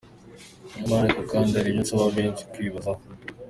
Nyamara ariko kandi hari ibyo nsaba benshi kwibazaho: